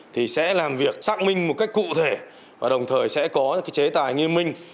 thì sẽ làm việc xác minh một cách cụ thể và đồng thời sẽ có chế tài như mình